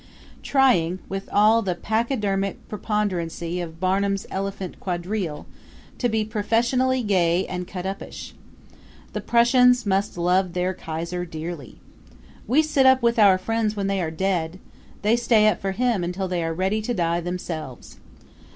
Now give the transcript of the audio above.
trying, with all the pachydermic ponderosity of Barnum's Elephant Quadrille, to be professionally gay and cutuppish. The Prussians must love their Kaiser dearly. We sit up with our friends when they are dead; they stay up for him until they are ready to die themselves.